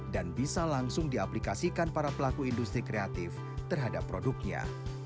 dan bisa langsung diaplikasikan para pelaku industri kreatif terhadap produknya